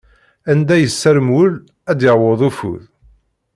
Anda yessarem wul, ad yaweḍ ufud.